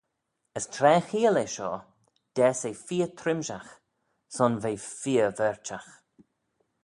As tra cheayll eh shoh, daase eh feer trimshagh, son v'eh feer verchagh.